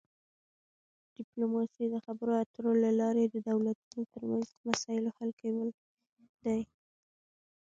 ډیپلوماسي د خبرو اترو له لارې د دولتونو ترمنځ د مسایلو حل کول دي